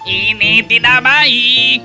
ini tidak baik